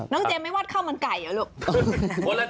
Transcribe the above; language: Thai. เจมสไม่วาดข้าวมันไก่เหรอลูก